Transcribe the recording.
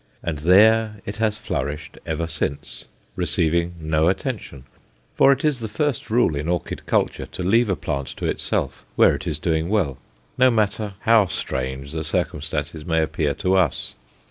And there it has flourished ever since, receiving no attention; for it is the first rule in orchid culture to leave a plant to itself where it is doing well, no matter how strange the circumstances may appear to us.